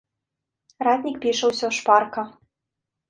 Ратнік піша усё шпарка.